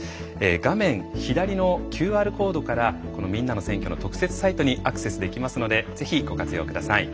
画面左のＱＲコードから「みんなの選挙」の特設サイトにアクセスできますのでぜひご活用ください。